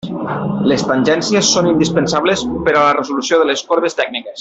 Les tangències són indispensables per a la resolució de les corbes tècniques.